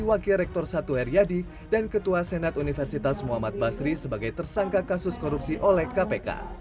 wakil rektor satu heriadi dan ketua senat universitas muhammad basri sebagai tersangka kasus korupsi oleh kpk